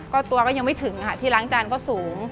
ก็ตัวก็ยังไม่ถึงค่ะที่ล้างจานก็สูง